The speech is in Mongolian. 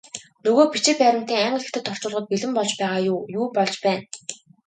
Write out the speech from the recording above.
Нөгөө бичиг баримтын англи, хятад орчуулгууд бэлэн болж байгаа юу, юу болж байна?